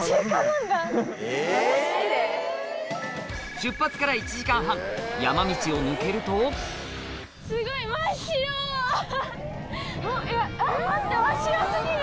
出発から１時間半山道を抜けると待って真っ白過ぎる！